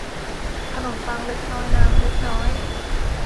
ขนมปังเล็กน้อยน้ำเล็กน้อย